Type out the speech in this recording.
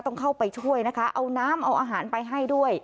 ต้องเข้าไปช่วยนะคะเอาน้ำเอาอาหารไปให้ด้วย